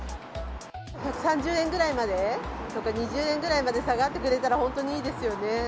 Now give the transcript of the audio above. １３０円ぐらいまでとか２０円ぐらいまで下がってくれたら、本当にいいですよね。